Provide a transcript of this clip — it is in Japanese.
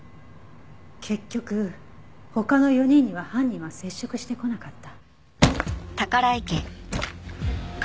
結局他の４人には犯人は接触してこなかった。